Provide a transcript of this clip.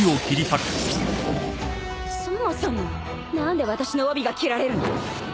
そもそも何で私の帯が斬られるの？